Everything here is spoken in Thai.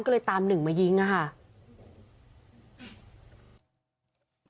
ก็เลยตามหนึ่งมายิงอะค่ะ